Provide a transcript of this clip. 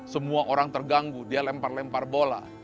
semua orang terganggu dia lempar lempar bola